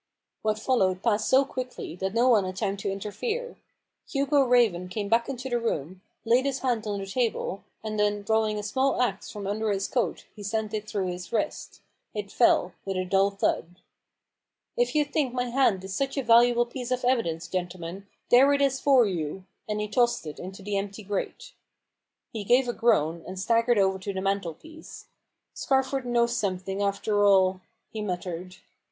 What followed passed so quickly, that no one had time to interfere, Hugo Raven came back into the room, laid his hand on the table, and then, drawing a small axe from under his coat, he sent it through his wrist. It fell with a dull thud. " If you think my hand is such a valuable piece of evidence, gentlemen, there it is for you !" and he tossed it into the empty grate. He gave a groan, and staggered over to the mantel piece. " Scarford knows something, after all! " he muttered.